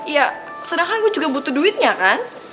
ya sedangkan gue juga butuh duitnya kan